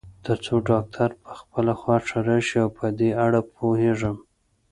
تر څو ډاکټر په خپله خوښه راشي، په دې اړه پوهېږم.